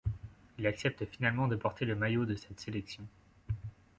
Il accepte finalement de porter le maillot de cette sélection.